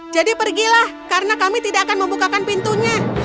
jadi pergilah karena kami tidak akan membukakan pintunya